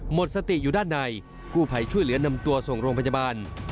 หมดสติอยู่ด้านในกู้ภัยช่วยเหลือนำตัวส่งโรงพยาบาล